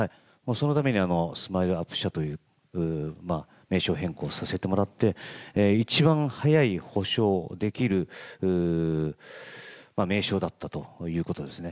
そのために、スマイルアップ社という名称変更させてもらって、一番早い補償できる名称だったということですね。